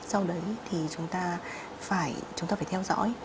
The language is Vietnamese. sau đấy thì chúng ta phải theo dõi